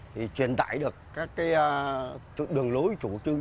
thì truyền tải được các đường lối chủ trương